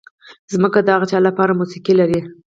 ځمکه د هغه چا لپاره موسیقي لري.